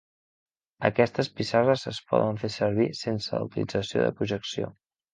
Aquestes pissarres es poden fer servir sense la utilització de projecció.